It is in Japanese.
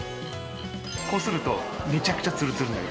こするとめちゃくちゃつるつるになります。